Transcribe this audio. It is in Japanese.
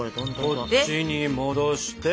こっちに戻して。